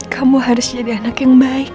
kamu harus jadi anak yang baik